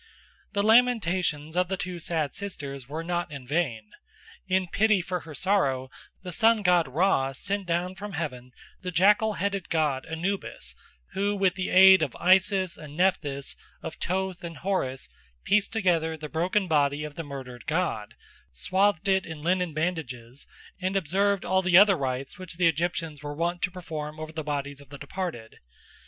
The lamentations of the two sad sisters were not in vain. In pity for her sorrow the sun god Ra sent down from heaven the jackal headed god Anubis, who, with the aid of Isis and Nephthys, of Thoth and Horus, pieced together the broken body of the murdered god, swathed it in linen bandages, and observed all the other rites which the Egyptians were wont to perform over the bodies of the departed.